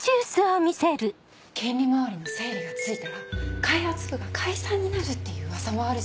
権利周りの整理がついたら開発部が解散になるっていう噂もあるし。